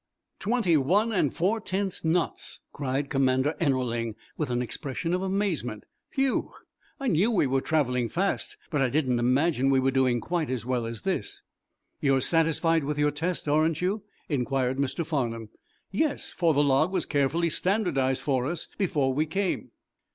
"Twenty one and four tenths knots!" cried commander Ennerling, with an expression of amazement. "Whew! I knew we were traveling fast, but I didn't imagine we were doing quite as well as this." "You're satisfied with your test, aren't you?" inquired Mr. Farnum. "Yes, for the log was carefully standardized for us before we came."